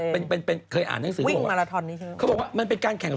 เป็นเคยอ่านหนังสือ